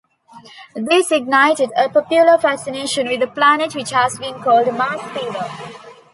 This ignited a popular fascination with the planet which has been called "Mars fever".